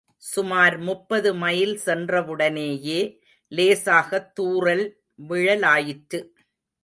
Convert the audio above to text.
சுமார் முப்பது மைல் சென்றவுடனேயே லேசாகத் தூறல் விழலாயிற்று.